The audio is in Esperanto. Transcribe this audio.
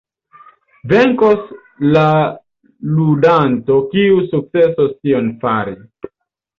Venkos la ludanto kiu sukcesos tion fari.